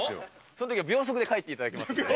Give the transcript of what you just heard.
そのときは秒速で帰っていただきますので。